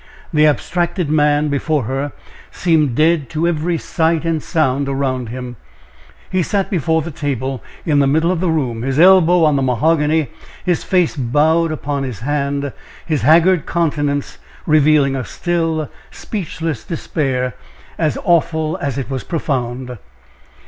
The abstracted man before her seemed dead to every sight and sound around him. He sat before the table in the middle of the room, his elbow on the mahogany; his face bowed upon his hand, his haggard countenance revealing a still, speechless despair as awful as it was profound.